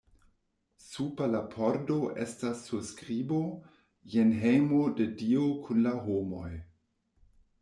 Super la pordo estas surskribo: Jen hejmo de Dio kun la homoj.